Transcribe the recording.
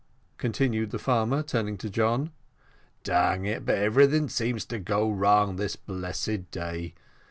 continued the farmer, turning to John. "Dang it, but everything seems to go wrong this blessed day.